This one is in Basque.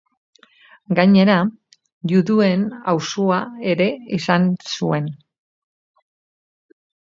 Gainera, juduen auzoa ere izan zuen.